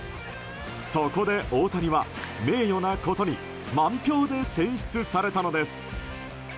そこで大谷は名誉なことに満票で選出されたのです。